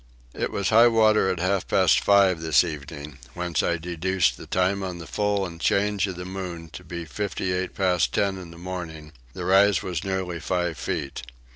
It was high water at half past five this evening whence I deduced the time on the full and change of the moon to be 58 past 10 in the morning: the rise was nearly five feet.